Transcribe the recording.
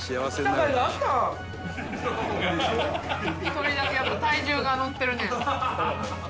１人だけやっぱ体重が乗ってるね。